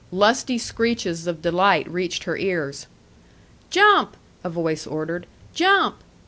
Lusty screeches of delight reached her ears. "Jump!" a voice ordered. "Jump!"